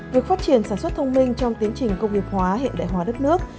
việc phát triển sản xuất thông minh trong tiến trình công nghiệp hóa hiện đại hóa đất nước